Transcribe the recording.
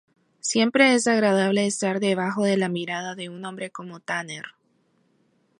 Siempre es agradable estar debajo de la mirada de un hombre como Tanner.